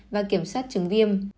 và kiểm soát trứng viêm